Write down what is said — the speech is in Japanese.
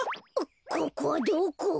ここはどこ？